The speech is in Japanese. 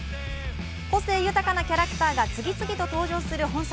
個性豊かなキャラクターが次々と登場する本作。